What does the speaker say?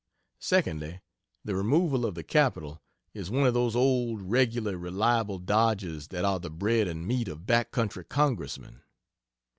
Secondly, the removal of the capital is one of those old, regular, reliable dodges that are the bread and meat of back country congressmen.